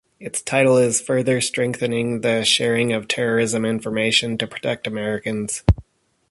Its title is Further Strengthening the Sharing of Terrorism Information To Protect Americans.